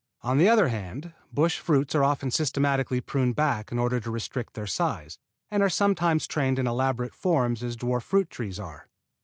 On the other hand, bush fruits are often systematically pruned back in order to restrict their size, and are sometimes trained in elaborate forms as dwarf fruit trees are.